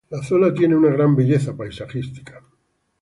La zona tiene una gran belleza paisajística.